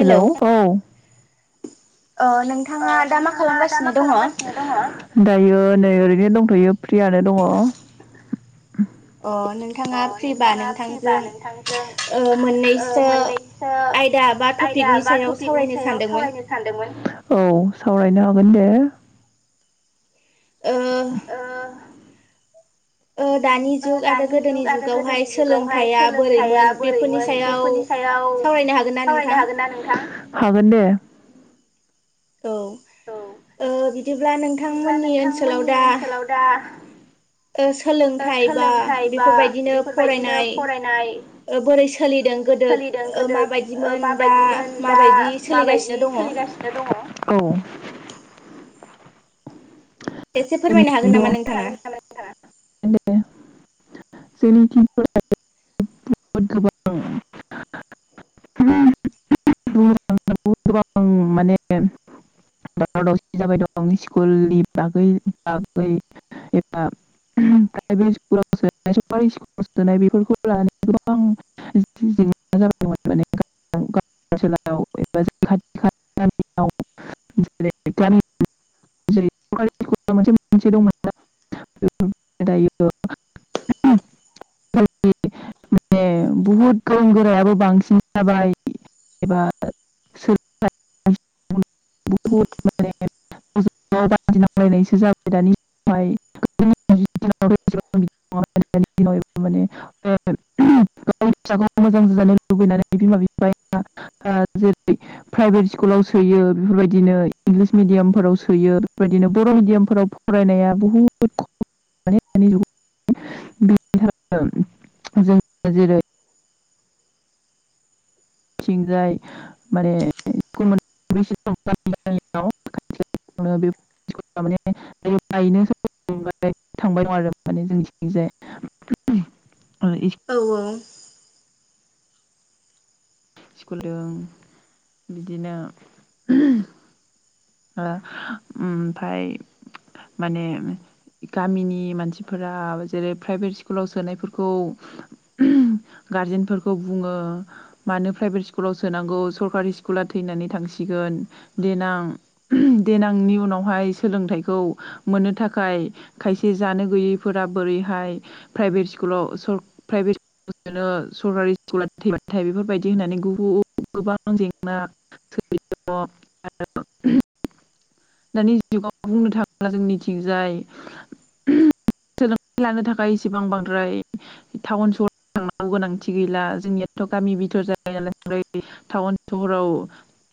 Hello औ। ओ नोंथाङा दा मा खालामगासिनो दङ'? दायो ओरैनो दंथ'यो। फ्रियानो दङ'। [inaudible] अ नोंथाङा फ्रिबा नोंथांजों ओ मोननैसो आयदा बा टपिकनि सायाव सावरायनो सानदोंमोन। औ सावरायनो हागोन दे। ओ ओ दानि जुग आरो गोदोनि जुगावहाय सोलोंथाइया बोरैमोन बेफोरनि सायाव सावरायनो हागोन ना नोंथां? हागोन दे। औ ओ बिदिब्ला नोंथांमोननि ओनसोलाव दा ओ सोलोंथाइ बा बेफोरबायदिनो फरायनाय सोलिदों गोदो ओं माबायदिमोन दा माबायदि सोलिगासिनो दङ'? औ [unintelligible] [unintelligible] गोबां माने दावराव दावसि जाबाय दं स्कुलनि बागै [unintelligible] [unintelligible] प्राइभेट स्कुलाव सोनाय [unintelligible] स्कुलाव सोनाय बेफोरखौ लानानै [unintelligible] [unintelligible] माने बहुद गोरों गोरायाबो बांसिन जाबाय एबा [unintelligible] [unintelligible] बिदिनो बर' मिडियामफोराव फरायनाया बहुद [unintelligible] जेरै थिंजायय माने [unintelligible] जोंनिथिंजाय [unintelligible] औ औ। स्कुलजों बिदिनो [unintelligible] हो ओमफ्राय माने गामिनि मानसिफोरा जेरै प्राइभेट स्कुलाव सोनायफोरखौ गारजेनफोरखौ बुङो मानो प्राइभेट स्कुलाव सोनांगौ सरकारि स्कुला थैनानै थांसिगोन देनां देनांनि उनावहाय सोलोंथाइखौ मोननो थाखाय खायसे जानो गैयैफोरा बोरैहाय प्राइभेट स्कुलाव सर-प्राइभेट सोनो सरकारि स्कुला थैबाथाय बेफोरबायदि होननानै बुहुद गोबां जेंना [unintelligible] दानि जुगाव बुंनो थाङोब्ला जोंनिथिंजाय [unintelligible] सोलोंथाइ लानो थाखाय इसेबां बांद्राय टाउन सहराव थांनांगौ गोनांथि गैला। जोंनियाथ' गामि बिथर जायो नालाय बांद्राय टाउन सहराव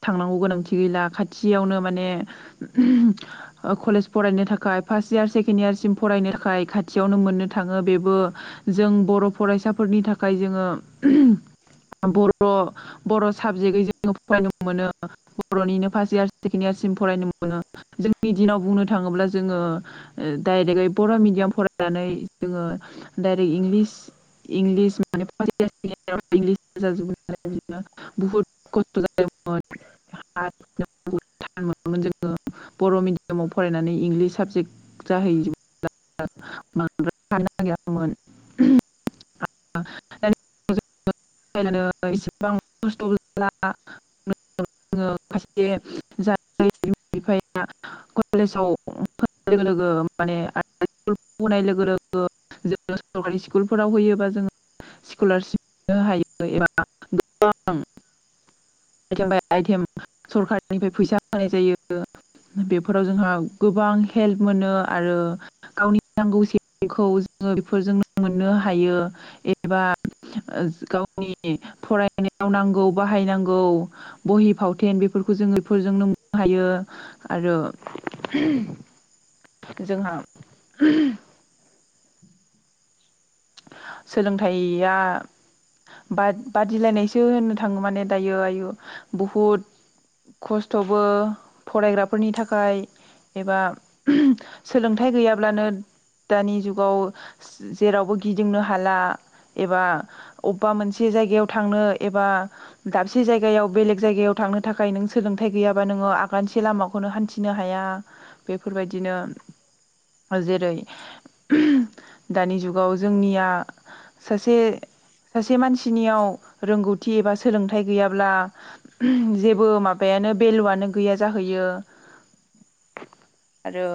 थांनांगौ गोनांथि गैला खाथियावनो माने कलेज फरायनो थाखाय फार्स्ट इयार सेकेण्ड इयारसिम फरायनो थाखाय खाथियावनो मोननो थाङो बेबो जों बर' फरायसाफोरनि थाखाय जोङो बर' बर' साबजेक्टयै जोङो फरायनो मोनो बर'निनो फार्स्ट इयार सेकेण्ड इयारसिम फरायनो मोनो जोंनि दिनाव बुंनो थाङोब्ला जोङो डाइरेक्टयै बर' मिडियाम फरायनानै जोङो डाइरेक्ट इंलिस इंलिस [unintelligible] [unintelligible] थान मोनोमोन जोङो बर' मिडियामाव फरायनानै इंलिस साबजेक्ट [unintelligible] [unintelligible] सरकारि स्कुलफोराव होयोबा जोङो स्कलारशिप [unintelligible] हायो एबा गोबां [unintelligible] सरखाररनिफ्राय फैसा होनाय जायो। बेफोराव जोंहा गोबां हेल्प मोनो आरो गावनि नांगौखौ जोङो बेफोरजोंनो मोननो हायो एबा गावनि फरायनायाव नांगौ बाहायनांगौ बहि फाव थेन बेफोरखौ जों बेफोरजों [unintelligible] हायो आरो जोंहा सोलोंथाइया बाद बादिलायनायसो होननो थाङो माने दायो आयु बहुद खस्थ'बो फरायग्राफोरनि थाखाय एबा सोलोंथाइ गैयाब्लानो दानि जुगाव जेरावबो गिदिंनो हाला एबा अबेबा मोनसे जायगायाव थांनो एबा दाबसे जायगायाव बेलेग जायगायाव थांनो थाखाय नों सोलोंथाइ गैयाबा नोङो आगानसे लामाखौनो हान्थिनो हाया। बेफोरबायदिनो जेरै दानि जुगाव जोंनिया सासे सासे मानसिनियाव रोंगौथि एबा सोलोंथाइ गैयाब्ला जेबो माबायानो भेलुआनो गैया जाहैयो आरो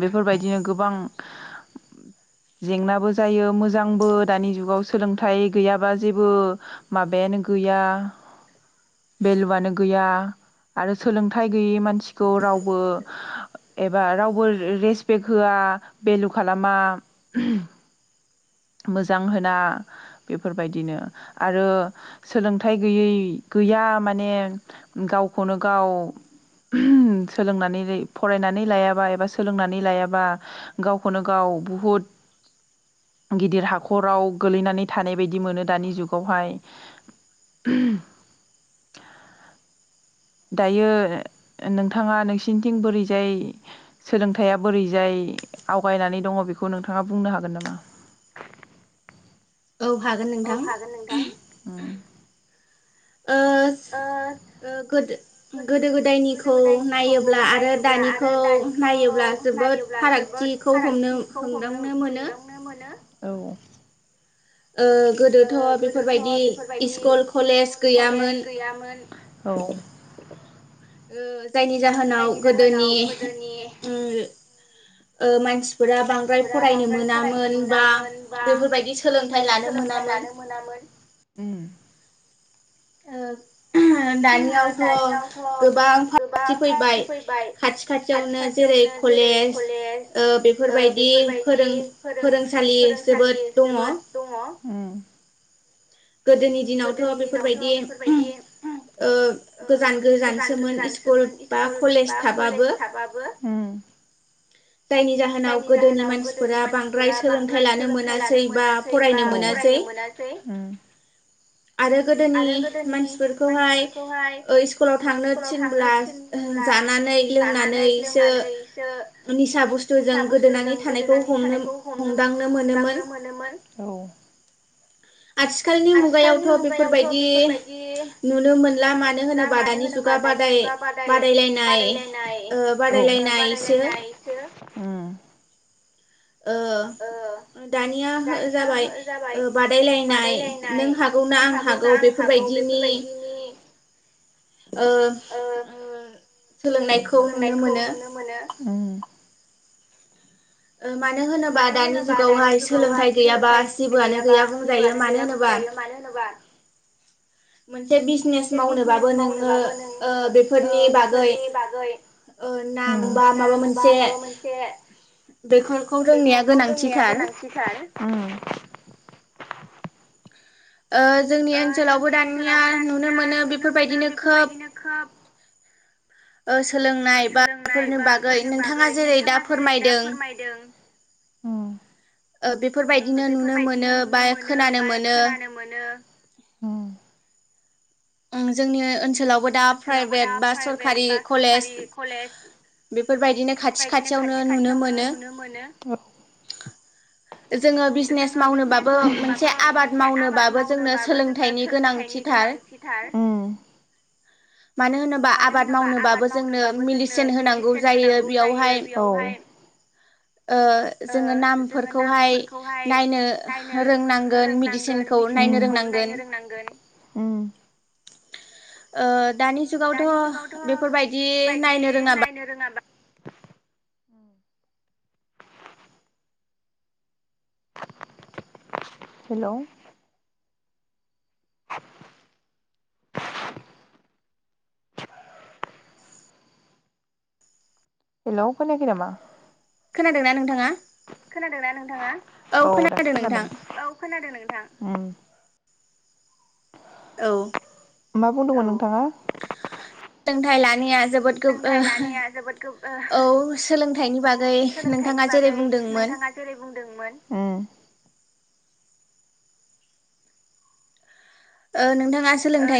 बेफोरबायदिनो गोबां जेंनाबो जायो मोजांबो दानि जुगाव सोलोंथाइ गैयाबा जेबो माबायानो गैया भेलुवानो गैया आरो सोलोंथाइ गैयै मानसिखौ रावबो एबा रावबो रेसपेक्ट होआ भेलु खालाम मा मोजां होना बेफोरबायदिनो आरो सोलोंथाइ गैयै गैया माने गावखौनो गाव सोलोंनानै फरायनानै लायाबा एबा सोलोंनानै लायाबा गावखौनो गाव बुहुद गिदिर हाखराव गोलैनानै थानाय बायदि मोनो दानि जुगावहाय। दायो नोंथाङा नोंसिनिथिं बोरैजाय सोलोंथाइया बोरैजाय आवगायनानै दङ' बेखौ नोंथाङा बुंनो हागोन नामा? औ हागोन नोंथां। ओ ओ गोद-गोदो गोदायनिखौ नायोब्ला आरो दानिखौ नायोब्ला जोबोद फारागथिखौ हमनो हमदांनो मोनो। औ। ओ गोदोथ' बेफोरबायदि इस्कल कलेज गैयामोन । द। जायनि जाहोनाव गोदोनि उ। ओ मानसिफोरा बांद्राय फरायनो मोनामोन बा बेफोरबायदि सोलोंथायाइ लानो मोनामोन। ओ। दानियावथ' गोबां फार्टि फैबाय खाथि खाथियावनो जेरै कलेज ओ बेफोरबायदि फोरों फोरोंसालि जोबोद दङ। गोदोनि दिनावथ' बेफोरबायदि ओ गोजान गोजानसोमोन इस्कल बा कलेज थाबाबो। जायनि जाहोनाव गोदोनि मानसिफोरा बांद्राय सोलोंथाइ लानो मोनासै बा फरायनो मोनासै आरो गोदोनि मानसिफोरखौहाय ओ स्कुलाव थांनो थिनब्ला जानानै लोंनानैसो। निसा बुस्थुजों गोदोनानै थानायखौ हमनो हमदांनो मोनोमोन औ। आथिखालनि मुगायावथ' बेफोरबायदि नुनो मोनला मानो होनोबा दानि जुगा बादाय बादायलायनाय ओ बादायलायनायसो। ओ दानिया जाबाय ओ बादायलायनाय नों हागौ ना आं हागौ बेफोरबायदिनि ओ ओ सोलोंनायखौ नुनो मोनो। ओ मानो होनोबा दानि जुगावहाय सोलोंथायाइ गैयाबा जेबोआनो गैया बुंजायो मानो होनोबा मोन मोनसे बिजनेस मावनोबाबो नोङो ओ बेफोरनि बागै नाम बा माबा मोनसे बेफोरखौ रोंनाया गोनांथि थार। ओ जोंनि ओनसोलावबो दानिया नुनो मोनो बेफोरबायदिनो खोब ओ सोलोंनाय बा फोरनि बागै नोंथाङा जेरै दा फोरमायदों। बेफोरबायदिनो नुनो मोनो बा खोनानो मोनो। जोंनि ओनसो ओनसोलावबो दा प्राइभेट बा सरखारि कलेज बेफोरबायदिनो खाथि खाथियावनो नुनो मोनो जोङो बिजिनेस मावनोबाबो मोनसे आबाद मावनोबाबो जोंनो सोलोंथाइनि गोनांथिथार। मानो होनोबा आबाद मावनोबाबो जोंनो मेडिसिन होनांगौ जायो बेयावहाय ओ जोङो नामफोरखौहाय नायनो रोंनांगोन मेदिसिनखौ नायनो रोंनांगोन। ओ दानि जुगावथ बेफोरबायदि नायनो रोङाबा हेलौ हेल खौनायाखै नामा? खोनादोंना नोंथाङा? खोनादों ना नोंथाङा? औ दासो खोनादों। ओम औ मा बुंदोंमोन नोंथाङा सोलोंथाइ लानोया सोलोंथाइ लानाया जोबोद औ सोलोंथाइनि बागै नोंथाङा जेरै बुंदोंमोन ओ नोंथां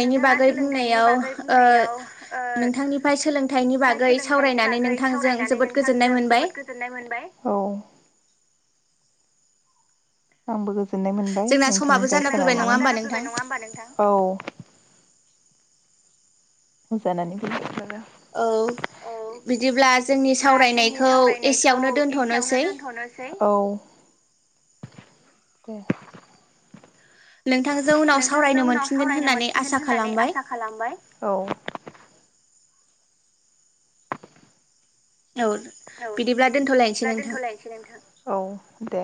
नोंथाङा सोलोंथाइनि बागै बुंनायाव नोंथांनिफ्राय सोलोंथाइनि बागै सावरायनानै नोंथांजों जोबोद गोजोननाय मोनबाय [unintelligible] [unintelligible] गोजोननाय मोनबाय नोंथांनिफ्राय खोनोन खोन फैबाय नङा हबा नोंथां औ हस न बुंा [unintelligible] औ बिदिब्ला जोंनि सावरायनायखौ एसेयावनो दोन्थ'नोसै [unintelligible] दे नोंथांजों उनाव सावरायनो मोनफिनगोन होननानै आसा खालामबाय औ [unintelligible] औ बिदिब्ला दोनथ'लायसै नोंथां औ [unintelligible] दे